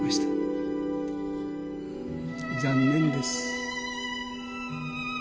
残念です。